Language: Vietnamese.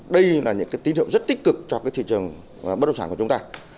đây là những tín hiệu rất tích cực cho thị trường bất động sản của chúng ta